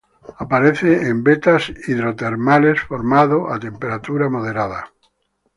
Aparece en vetas hidrotermales formado a temperatura moderada.